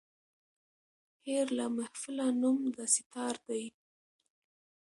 هېر له محفله نوم د سیتار دی